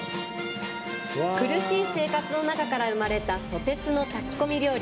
苦しい生活の中から生まれたソテツの炊き込み料理。